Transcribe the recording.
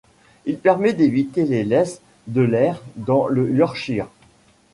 Il permet d'éviter les laisses de l'Aire dans le Yorkshire.